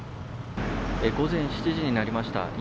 午前７時になりました。